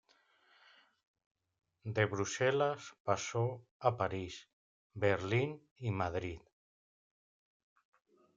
De Bruselas pasó a París, Berlín y Madrid.